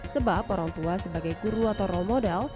sebab orang tua sebagai guru atau role model